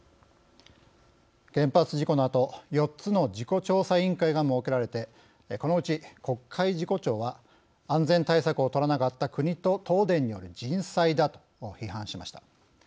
原発事故のあと４つの事故調査委員会が設けられてこのうち国会事故調は安全対策を取らなかった国と東電による人災だと批判しました。